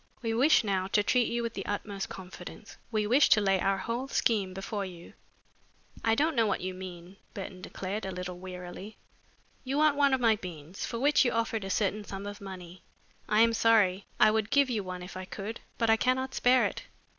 We wish now to treat you with the utmost confidence. We wish to lay our whole scheme before you." "I don't know what you mean," Burton declared, a little wearily. "You want one of my beans, for which you offered a certain sum of money. I am sorry. I would give you one if I could, but I cannot spare it.